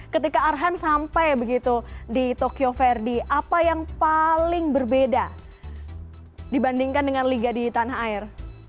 ketika arhan sampai begitu di tokyo verde apa yang paling berbeda dibandingkan dengan liga di tanah air